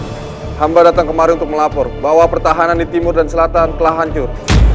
hai hamba datang kemarin untuk melapor bahwa pertahanan di timur dan selatan telah hancur